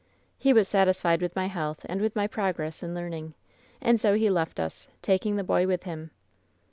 "He was satisfied with my health, and with my prog ress in learning, and so he left us, taking the boy with him.